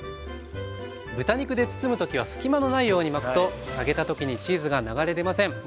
豚肉で包む時は隙間のないように巻くと揚げた時にチーズが流れ出ません。